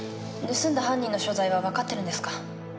盗んだ犯人の所在は分かってるんですか？